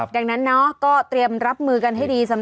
ดังนั้นเนาะก็เตรียมรับมือกันให้ดีสำหรับ